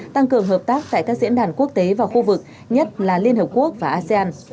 tăng cường hợp tác tại các diễn đàn quốc tế và khu vực nhất là liên hợp quốc và asean